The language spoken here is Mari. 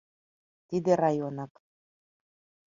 Тиде районак.